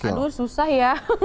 aduh susah ya